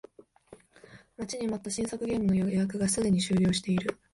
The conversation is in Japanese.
待ちに待った新作ゲームの予約がすでに終了している